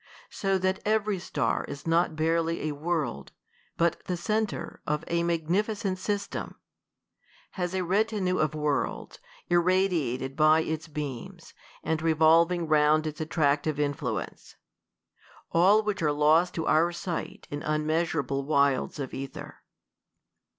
So that every star is not barely a world, but the centre of a magnificent system ; has a retinue of worlds, irradiated by its beams, and revolving round its attrac tive induence. All which are lost to our sight in un measurable wilds of ether.